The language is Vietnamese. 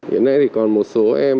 hiện nay thì còn một số em